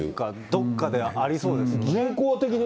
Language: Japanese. どこかでありそうですよね。